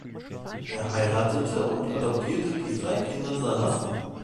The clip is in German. Er heiratete und adoptierte die drei Kinder seiner Frau.